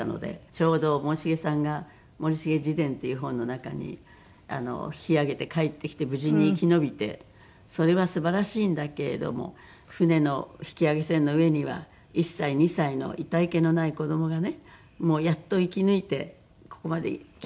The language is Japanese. ちょうど森繁さんが『森繁自伝』っていう本の中に引き揚げて帰ってきて無事に生き延びてそれはすばらしいんだけれども船の引き揚げ船の上には１歳２歳のいたいけのない子供がねもうやっと生き抜いてここまで来たっていう。